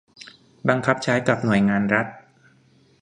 บังคับใช้กับหน่วยงานรัฐ